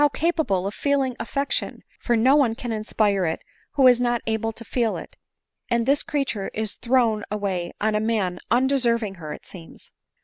capable of feeling afiection ! for no one can inspire it >vho is not able to feel it ; and this creature is thrown away on a man undeserving her, ft seems